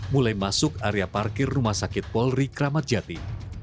mulai masuk area parkir rumah sakit polri kramat jati